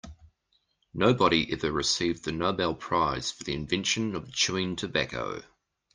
Nobody ever received the Nobel prize for the invention of chewing tobacco.